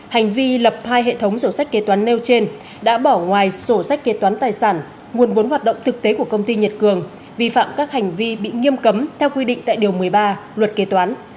hành vi lập hai hệ thống sổ sách kế toán nêu trên đã bỏ ngoài sổ sách kế toán tài sản nguồn vốn hoạt động thực tế của công ty nhật cường vi phạm các hành vi bị nghiêm cấm theo quy định tại điều một mươi ba luật kế toán